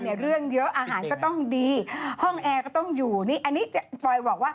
นี่มันเสียงยายแล้ว